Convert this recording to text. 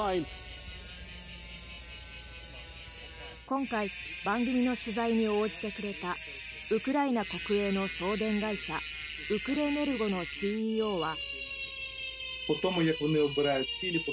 今回、番組の取材に応じてくれたウクライナ国営の送電会社ウクレネルゴのＣＥＯは。